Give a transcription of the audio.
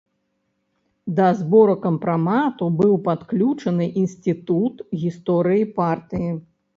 Да збору кампрамату быў падключаны інстытут гісторыі партыі.